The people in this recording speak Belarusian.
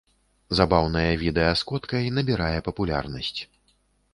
Забаўнае відэа з коткай набірае папулярнасць.